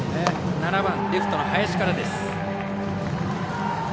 ７番レフトの林からです。